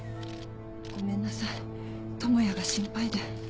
ごめんなさい智也が心配で。